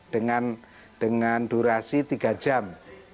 dengan durasi tiga jam